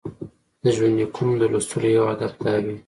د ژوندلیکونو د لوستلو یو هدف دا وي.